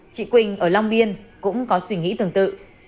chị quỳnh ở long biên cũng có suy nghĩ tương tự